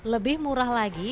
lebih murah lagi